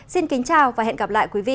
xin kính chào và hẹn gặp lại quý vị